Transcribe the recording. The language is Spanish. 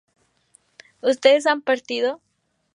¿ustedes han partido?